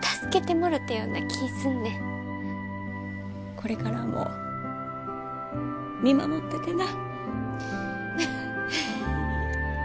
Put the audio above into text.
これからも見守っててな。